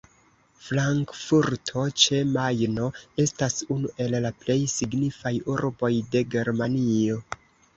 Frankfurto ĉe Majno estas unu el la plej signifaj urboj de Germanio.